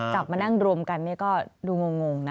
กลับมานั่งรวมกันก็ดูงงนะ